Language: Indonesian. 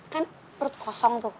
kan perut kosong tuh